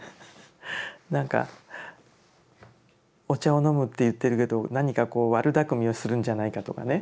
なんかお茶を飲むって言ってるけど何かこう悪だくみをするんじゃないかとかね。